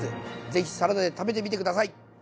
是非サラダで食べてみて下さい。